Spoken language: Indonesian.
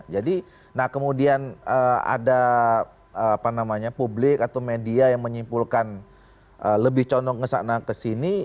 jadi kemudian ada publik atau media yang menyimpulkan lebih condong kesana kesini